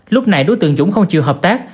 lúc này đối tượng dũng không chịu hợp tác